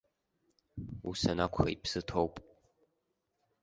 Ус анакәха иԥсы ҭоуп!